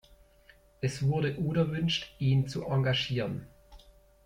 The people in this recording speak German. Es wurde unerwünscht, ihn zu engagieren.